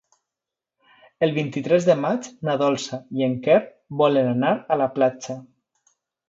El vint-i-tres de maig na Dolça i en Quer volen anar a la platja.